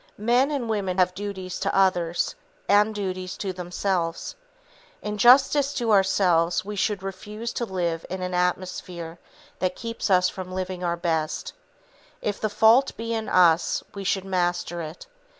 Men and women have duties to others, and duties to themselves. In justice to ourselves we should refuse to live in an atmosphere that keeps us from living our best. If the fault be in us, we should master it.